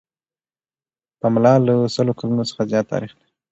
پملا له سلو کلونو څخه زیات تاریخ لري.